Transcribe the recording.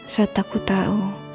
saat aku tau